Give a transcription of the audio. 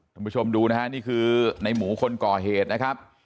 คุณผู้ชมดูนะฮะนี่คือในหมูคนก่อเหตุนะครับ